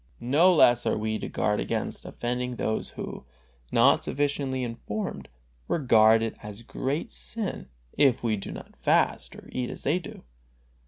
No less are we to guard against offending those who, not sufficiently informed, regard it a great sin if we do not fast or eat as they do.